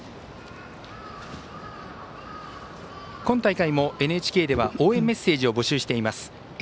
今大会もＮＨＫでは応援メッセージを募集しています。